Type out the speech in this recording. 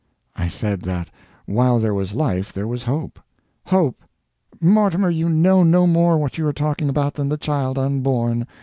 I said that while there was life there was hope. "Hope! Mortimer, you know no more what you are talking about than the child unborn.